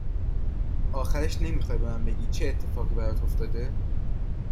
آخرش نمیخوای به من بگی چه اتفاقی برات افتاده ؟